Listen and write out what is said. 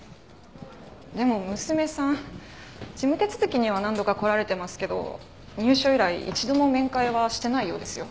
でも娘さん事務手続きには何度か来られてますけど入所以来一度も面会はしてないようですよ。